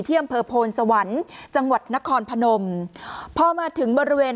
เที่ยมเผอร์โพลสวรรค์จังหวัดนครพนมพอมาถึงบริเวณ